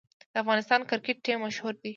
د افغانستان کرکټ ټیم مشهور دی